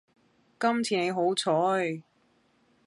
今次你好彩